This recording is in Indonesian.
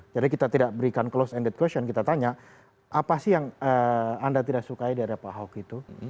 jadi kita tidak berikan closed ended question kita tanya apa sih yang anda tidak sukai dari pak ahok itu